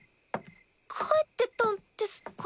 帰ってたんですか？